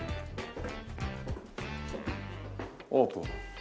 オープン。